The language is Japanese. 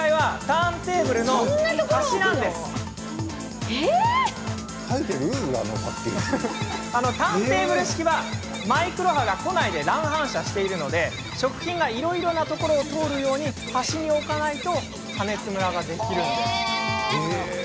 ターンテーブル式のものはマイクロ波が庫内で乱反射しているので、食品がいろいろなところを通るよう端に置かないと加熱ムラができるんです。